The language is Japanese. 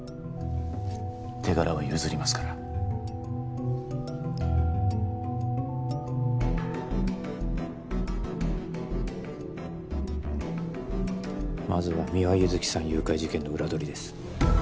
手柄は譲りますからまずは三輪優月さん誘拐事件の裏取りです